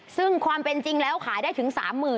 ซึ่งความเป็นจริงแล้วขายได้ถึง๓๐๐๐